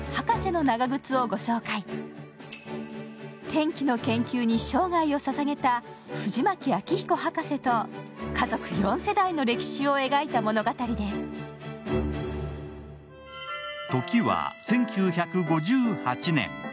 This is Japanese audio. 天気の研究に生涯をささげた藤巻昭彦博士と家族４世代の歴史を描いた物語です時は１９５８年。